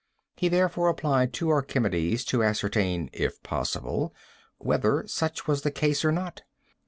He therefore applied to Archimedes to ascertain, if possible, whether such was the case or not.